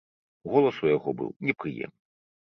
Голас у яго быў непрыемны.